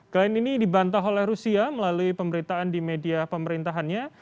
kain ini dibantah oleh rusia melalui pemberitaan di media pemerintahannya